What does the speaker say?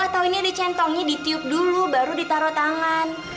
atau ini ada centongnya ditiup dulu baru ditaro tangan